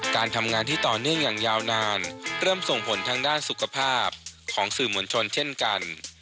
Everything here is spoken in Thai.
การทำงานที่ต่อเนื่องอย่างยาวนานเริ่มส่งผลทางด้านสุขภาพของสื่อมวลชนเช่นกัน